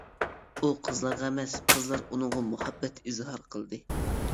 ئۇ قىزلارغا ئەمەس، قىزلار ئۇنىڭغا مۇھەببەت ئىزھار قىلدى.